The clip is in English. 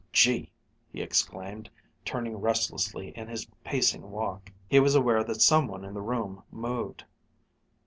"Gee!" he exclaimed, turning restlessly in his pacing walk. He was aware that some one in the room moved.